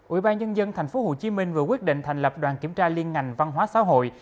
ủy ban nhân dân tp hcm vừa quyết định thành lập đoàn kiểm tra liên ngành văn hóa xã hội